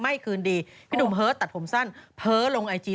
ไม่คืนดีพี่หนุ่มเหาะตัดผมสั้นเผ้อลงไอจี